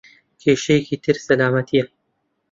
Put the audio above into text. کێشەیەکی تر سەلامەتییە.